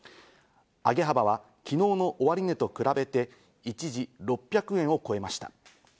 上げ幅は昨日の終値と比べて、一時、６００円を超えました。